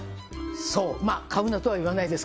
そうまあ買うなとは言わないです